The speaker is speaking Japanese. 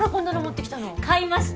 買いました。